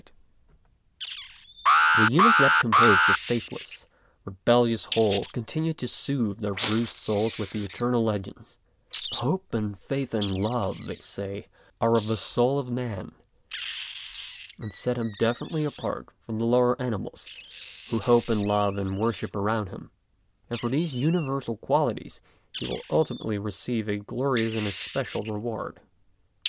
99 100 MONOLOGUES The units that compose the faithless, rebel lious whole continue to soothe their bruised souls with the eternal legends ; hope and faith and love, they say, are of the soul of man, and set him definitely apart from the lower animals who hope and love and wor ship around him, and for these universal qualities he will ultimately receive a glorious and especial reward.